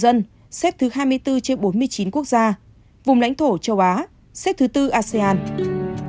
tổng số ca tử vong trên một triệu dân xếp thứ hai mươi tám trên hai trăm hai mươi năm quốc gia vùng lãnh thổ châu á xếp thứ ba asean tử vong trên một triệu dân xếp thứ bốn asean